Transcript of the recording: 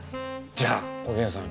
じゃあおげんさん